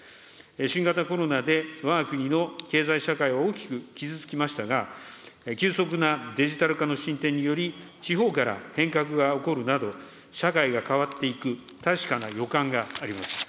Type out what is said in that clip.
新型コロナでわが国の経済社会は大きく傷つきましたが、急速なデジタル化の進展により、地方から変革が起こるなど、社会が変わっていく確かな予感があります。